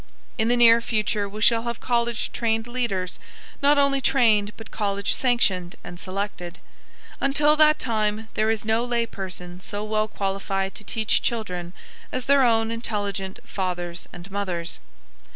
In the near future we shall have college trained leaders, not only trained but college sanctioned and selected. Until that time there is no lay person so well qualified to teach children as their own intelligent fathers and mothers.